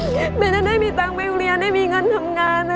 เดี๋ยวจะได้มีตังค์ไปโรงเรียนได้มีเงินทำงานนะ